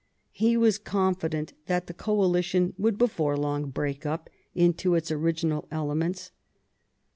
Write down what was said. He was confident that the coalition would before long break up into its original elements.